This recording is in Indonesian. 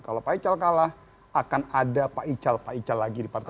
kalau pak ical kalah akan ada pak ical pak ical lagi di partai